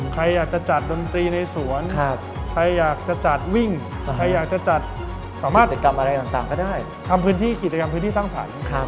ใครอยากจะจัดดนตรีในสวนใครอยากจะจัดวิ่งใครอยากจะจัดสามารถจัดกรรมอะไรต่างก็ได้ทำพื้นที่กิจกรรมพื้นที่สร้างสรรค์